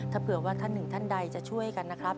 ถ้าเผื่อว่าท่านหนึ่งท่านใดจะช่วยกันนะครับ